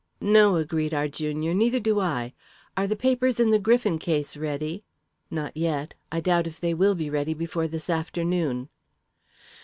"No," agreed our junior, "neither do I. Are the papers in the Griffin case ready?" "Not yet; I doubt if they will be ready before this afternoon."